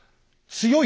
強い。